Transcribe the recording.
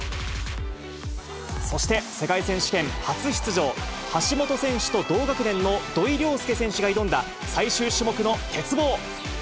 そして、世界選手権初出場、橋本選手と同学年の土井陵輔選手が最終種目の鉄棒。